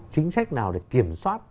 chính trách nào để kiểm soát